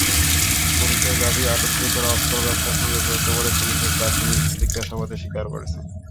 পুলিশের দাবি, আটককৃতরা অস্ত্র ব্যবসার সঙ্গে জড়িত বলে পুলিশের প্রাথমিক জিজ্ঞাসাবাদে স্বীকার করেছে।